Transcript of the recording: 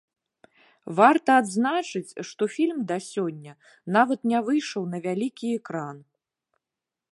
Варта адзначыць, што фільм да сёння нават не выйшаў на вялікі экран.